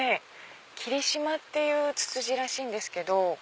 キリシマっていうツツジらしいんですけど。